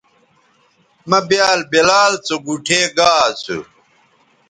مہ بیال بلال سو گوٹھے گا اسو